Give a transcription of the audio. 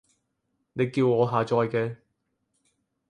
你叫我下載嘅